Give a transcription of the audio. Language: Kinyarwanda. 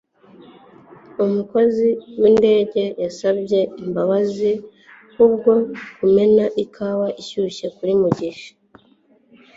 umukozi windege yasabye imbabazi kubwo kumena ikawa ishyushye kuri mugisha